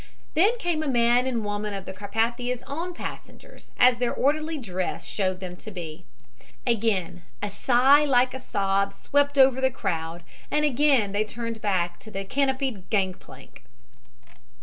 Then came a man and woman of the Carpathia's own passengers, as their orderly dress showed them to be. Again a sigh like a sob swept over the crowd, and again they turned back to the canopied gangplank.